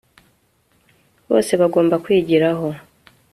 bose bagomba kwigiraho